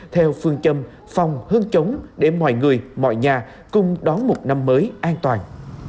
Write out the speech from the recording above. theo phương châm phòng hơn chống để mọi người mọi nhà cùng đón một năm mới an toàn